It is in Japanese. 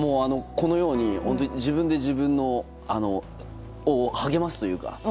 このように自分で自分を励ますというか。